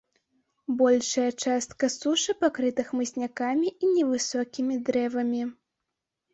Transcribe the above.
Большая частка сушы пакрыта хмызнякамі і невысокімі дрэвамі.